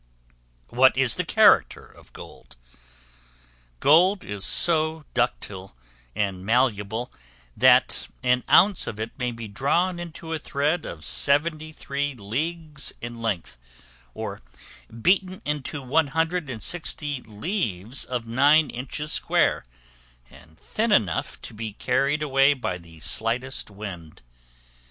What is the character of Gold? Gold is so ductile and malleable, that an ounce of it may be drawn into a thread of 73 leagues in length; or beaten into 160 leaves of 9 inches square, and thin enough to be carried away by the slightest wind.